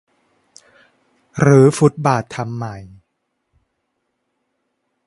รื้อฟุตบาททำใหม่